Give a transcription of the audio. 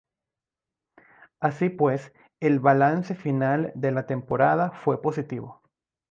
Así pues, el balance final de la temporada fue positivo.